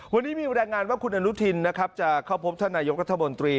วันนี้มีรายงานว่าคุณอนุทินนะครับจะเข้าพบท่านนายกรัฐมนตรี